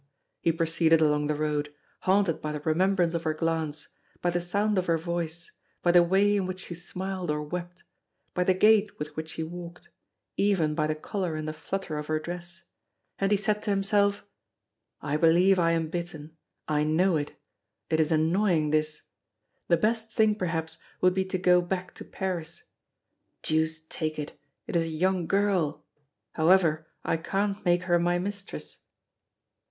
He proceeded along the road, haunted by the remembrance of her glance, by the sound of her voice, by the way in which she smiled or wept, by the gait with which she walked, even by the color and the flutter of her dress. And he said to himself: "I believe I am bitten. I know it. It is annoying, this! The best thing, perhaps, would be to go back to Paris. Deuce take it, it is a young girl! However, I can't make her my mistress."